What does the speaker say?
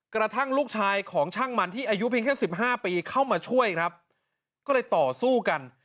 กระทั่งลูกชายของช่างมันที่อายุเพียงแค่สิบห้าปีเข้ามาช่วยครับก็เลยต่อสู้กัน